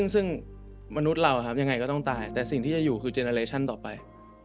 ซึ่งมนุษย์เรายังไงก็ต้องตายแต่สิ่งที่จะอยู่คือเจนาเลชั่นต่อไป